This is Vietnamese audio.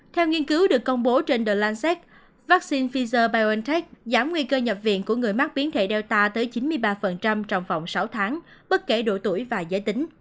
theo nghiên cứu được công bố trên ther lanset vaccine pfizer biontech giảm nguy cơ nhập viện của người mắc biến thể data tới chín mươi ba trong vòng sáu tháng bất kể độ tuổi và giới tính